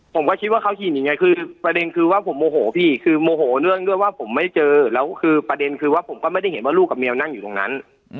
ผมก็คิดว่าเขายิงยังไงคือประเด็นคือว่าผมโมโหพี่คือโมโหเรื่องด้วยว่าผมไม่เจอแล้วคือประเด็นคือว่าผมก็ไม่ได้เห็นว่าลูกกับเมียนั่งอยู่ตรงนั้น